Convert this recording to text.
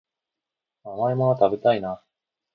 甘いもの食べたいな